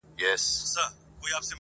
په دا تش دیدن به ولي خپل زړګی خوشالومه؛